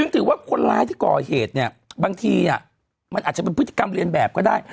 ถือว่าคนร้ายที่ก่อเหตุเนี่ยบางทีมันอาจจะเป็นพฤติกรรมเรียนแบบก็ได้